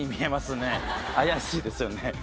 怪しいですよね？